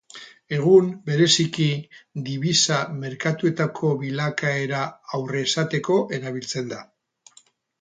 Egun, bereziki dibisa-merkatuetako bilakaera aurresateko erabiltzen da.